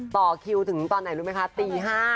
ต่อคิวถึงตอนไหนรู้ไหมคะตี๕